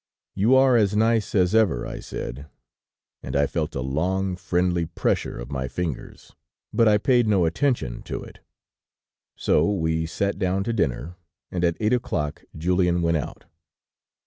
"'You are as nice as ever,' I said, and I felt a long, friendly pressure of my fingers, but I paid no attention to it; so we sat down to dinner, and at eight o'clock Julien went out.